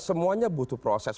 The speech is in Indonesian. semuanya butuh proses